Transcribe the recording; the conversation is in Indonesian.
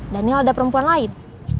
daniel ada perempuan lain